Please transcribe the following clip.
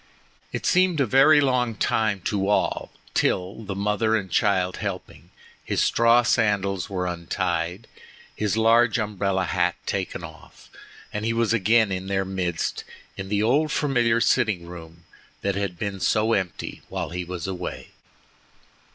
It seemed a very long time to all till—the mother and child helping—his straw sandals were untied, his large umbrella hat taken off, and he was again in their midst in the old familiar sitting room that had been so empty while he was away.